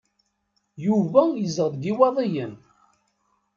Yuba yezdeɣ deg Iwaḍiyen.